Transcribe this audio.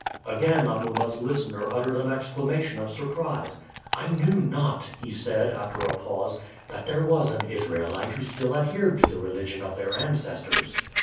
Again Amuba's listener uttered an exclamation of surprise. "I knew not," he said, after a pause, "that there was an Israelite who still adhered to the religion of their ancestors."